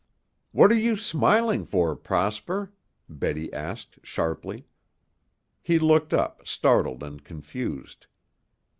"What are you smiling for, Prosper?" Betty asked sharply. He looked up, startled and confused.